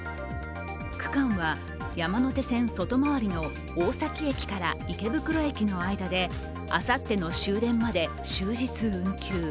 区間は山手線外回りの大崎駅から池袋駅の間で、あさっての終電まで終日運休。